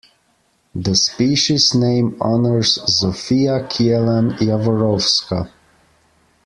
The species name honours Zofia Kielan-Jaworowska.